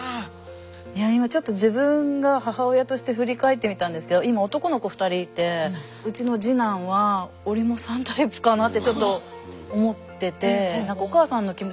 今ちょっと自分が母親として振り返ってみたんですけど今男の子２人いてうちの次男は折茂さんタイプかなってちょっと思ってて。